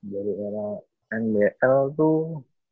dari era nbl tuh